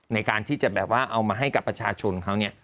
ในการที่จะแบบว่าเอามาให้กับประชาชนเขาเนี่ย